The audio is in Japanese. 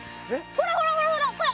ほらほらほらほらこれ！